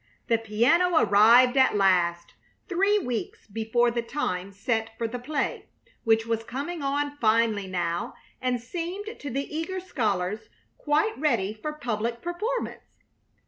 The piano arrived at last, three weeks before the time set for the play, which was coming on finely now and seemed to the eager scholars quite ready for public performance.